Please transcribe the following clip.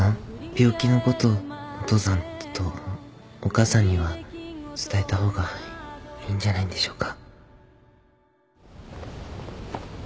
病気のことをお父さんとお母さんには伝えたほうがいいんじゃないんでしょうか。